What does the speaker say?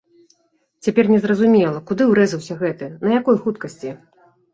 Цяпер незразумела, куды урэзаўся гэты, на якой хуткасці?